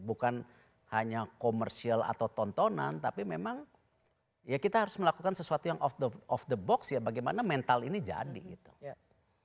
bukan hanya komersial atau tontonan tapi memang ya kita harus melakukan sesuatu yang of the box ya bagaimana mental ini jadi gitu